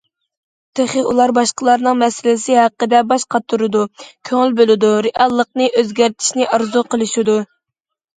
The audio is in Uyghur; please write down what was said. تېخى ئۇلار باشقىلارنىڭ مەسىلىسى ھەققىدە باش قاتۇرىدۇ، كۆڭۈل بۆلىدۇ، رېئاللىقنى ئۆزگەرتىشنى ئارزۇ قىلىشىدۇ.